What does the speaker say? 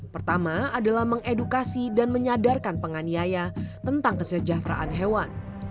pertama adalah mengedukasi dan menyadarkan penganiaya tentang kesejahteraan hewan